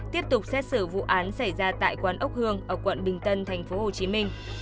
tiếp tục xét xử vụ án xảy ra tại quán ốc hương ở quận bình tân tp hcm